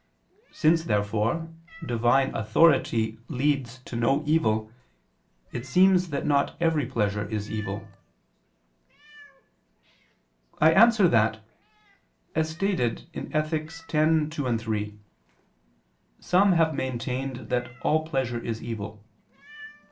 Since, therefore, Divine authority leads to no evil, it seems that not every pleasure is evil. I answer that, As stated in Ethic. x, 2, 3, some have maintained that all pleasure is evil.